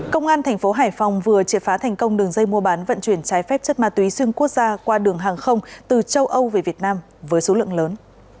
công an thành phố hải phòng vừa triệt phá thành công đường dây mua bán vận chuyển trái phép chất ma túy xuyên quốc gia qua đường hàng không từ châu âu về việt nam với số lượng lớn